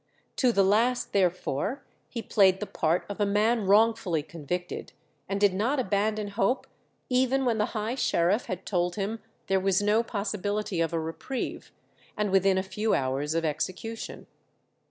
To the last, therefore, he played the part of a man wrongfully convicted, and did not abandon hope even when the high sheriff had told him there was no possibility of a reprieve, and within a few hours of execution.